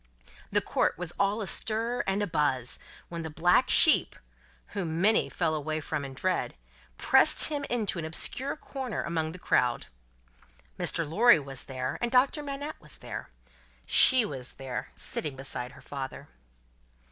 The court was all astir and a buzz, when the black sheep whom many fell away from in dread pressed him into an obscure corner among the crowd. Mr. Lorry was there, and Doctor Manette was there. She was there, sitting beside her father.